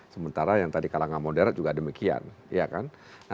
sementara yang tadi kalangan moderat juga demikian